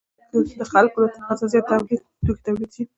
کله چې د خلکو له تقاضا زیات توکي تولید شي